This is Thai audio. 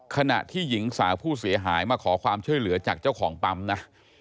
ขณะที่หญิงสาวผู้เสียหายมาขอความช่วยเหลือจากเจ้าของปั๊มนะ